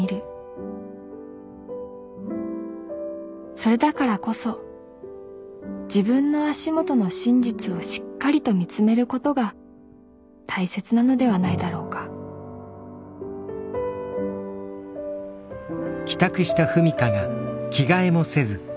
それだからこそ自分の足元の真実をしっかりと見つめることが大切なのではないだろうか前田。